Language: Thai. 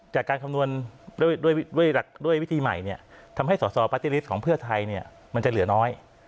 จากการคำนวณด้วยวิธีใหม่เนี่ยทำให้สอสอปฏิริสต์ของเพื่อไทยเนี่ยมันจะเหลือน้อย